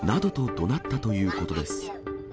どなったということです。